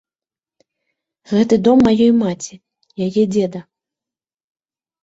Гэта дом маёй маці, яе дзеда.